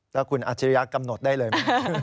แล้วคุณอัจฉริยะกำหนดได้เลย